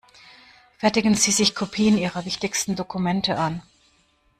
Fertigen Sie sich Kopien Ihrer wichtigsten Dokumente an.